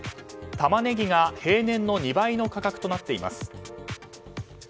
タマネギが平年の２倍の価格となっています。